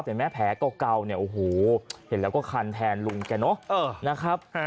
เห็นไหมแผลเก่าเนี่ยโอ้โหเห็นแล้วก็คันแทนลุงแกเนอะนะครับ